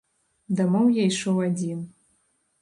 Дамоў я ішоў адзін.